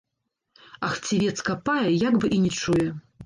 А хцівец капае, як бы і не чуе.